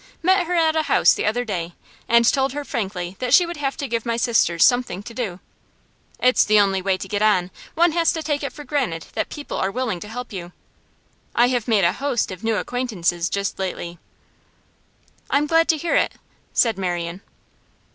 Met her at a house the other day, and told her frankly that she would have to give my sisters something to do. It's the only way to get on; one has to take it for granted that people are willing to help you. I have made a host of new acquaintances just lately.' 'I'm glad to hear it,' said Marian.